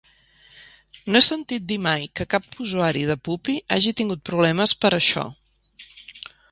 No he sentit dir mai que cap usuari de Puppy hagi tingut problemes per això.